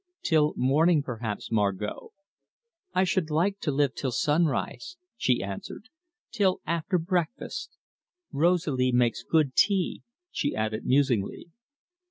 "Till morning, perhaps, Margot." "I should like to live till sunrise," she answered, "till after breakfast. Rosalie makes good tea," she added musingly.